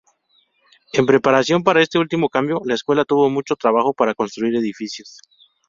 En preparación para este último cambio, la escuela tuvo mucho trabajo para construir edificios.